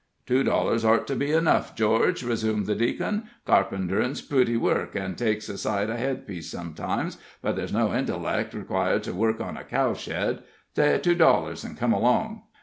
"Two dollars ort to be enough, George," resumed the Deacon. "Carpenterin's pooty work, an' takes a sight of headpiece sometimes, but there's no intellec' required to work on a cow shed. Say two dollars, an' come along."